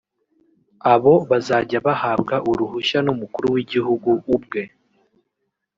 abo bazajya bahabwa uruhushya n'umukuru w'igihugu ubwe